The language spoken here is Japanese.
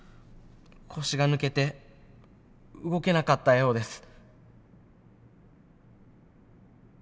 腰が抜けて動けなかったようです。